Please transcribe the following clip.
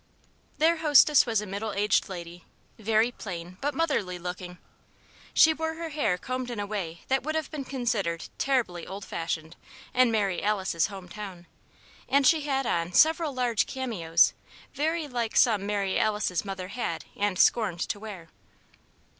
Their hostess was a middle aged lady, very plain but motherly looking. She wore her hair combed in a way that would have been considered "terribly old fashioned" in Mary Alice's home town, and she had on several large cameos very like some Mary Alice's mother had and scorned to wear.